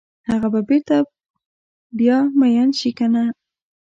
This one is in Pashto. هغه به بیرته بیا میین شي کنه؟